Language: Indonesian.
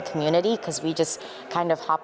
karena kita hanya berjalan jalan